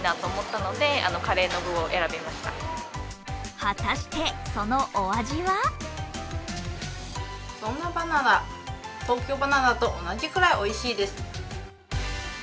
果たして、そのお味はそんなバナナ、東京ばな菜と同じぐらいおいしいです。